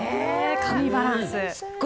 神バランス。